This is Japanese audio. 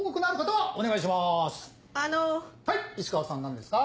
はい石川さん何ですか？